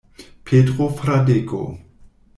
Petro Fradeko.